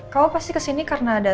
kamu pasti kesini karena ada